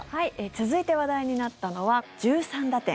続いて話題になったのは１３打点！